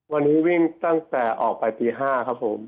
วันนี้วิ่งตั้งแต่ออกไปตี๕ครับผม